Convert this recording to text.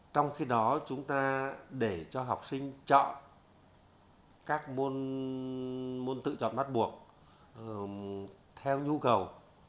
trong khi đó chúng ta để cho học sinh chọn các môn tự chọn bắt buộc theo nhu cầu